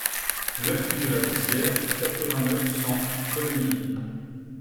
neuf rue de la Vossière, quatre-vingt-neuf, cent, Collemiers